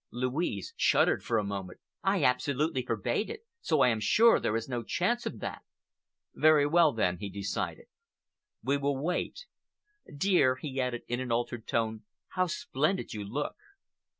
Louise shuddered for a moment. "I absolutely forbade it, so I am sure there is no chance of that." "Very well, then," he decided, "we will wait. Dear," he added, in an altered tone, "how splendid you look!"